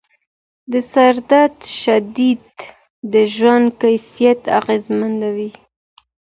د سردرد شدت د ژوند کیفیت اغېزمنوي.